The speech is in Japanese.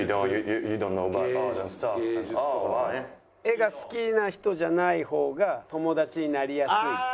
「画が好きな人じゃない方が友達になりやすい」。